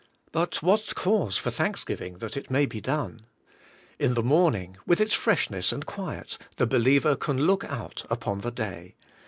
But what cause for thanksgiving that it may be done! In the morning, with its freshness and quiet, the believer can look out upon the day.